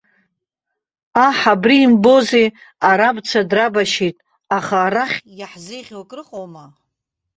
Аҳ абри имбозеи, арабцәа драбашьит, аха арахь иаҳзеиӷьу акрыҟоума?